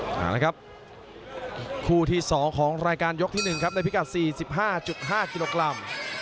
เอาละครับคู่ที่๒ของรายการยกที่๑ครับในพิกัด๔๕๕กิโลกรัม